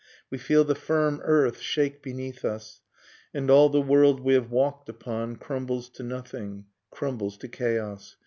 We feel the firm earth shake beneath us. And all the world we have walked upon Crumbles to nothing, crumbles to chaos.